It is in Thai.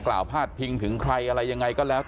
แต่ว่าวินนิสัยดุเสียงดังอะไรเป็นเรื่องปกติอยู่แล้วครับ